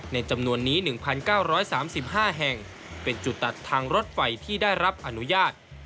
จำนวนนี้๑๙๓๕แห่งเป็นจุดตัดทางรถไฟที่ได้รับอนุญาต